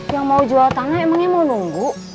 yang mau jual tanah emangnya mau nunggu